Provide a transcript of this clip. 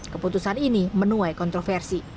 keputusan ini menuai kontroversi